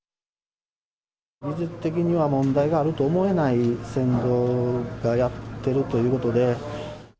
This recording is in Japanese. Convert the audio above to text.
技術的には問題があるとは思えない船頭がやってるということで。